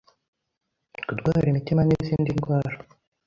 kurwara imitima n’izindi ndwara